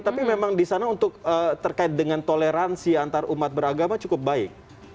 tapi memang disana untuk terkait dengan toleransi antar umat beragama cukup banyak